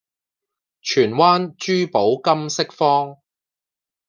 荃灣珠寶金飾坊